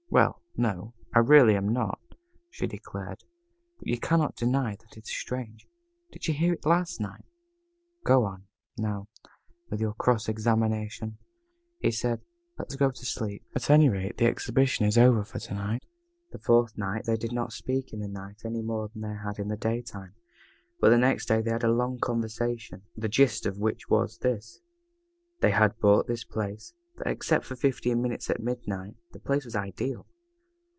"Well, no, I really am not," she declared, "but you cannot deny that it is strange. Did you hear it last night?" "Go on, now, with your cross examination," he said. "Let's go to sleep. At any rate the exhibition is over for to night." The fourth night they did not speak in the night any more than they had in the daytime. But the next day they had a long conversation, the gist of which was this: That they had bought the place, that except for fifteen minutes at midnight, the place was ideal.